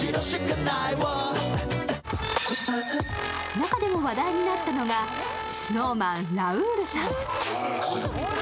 中でも話題になったのが、ＳｎｏｗＭａｎラウールさん。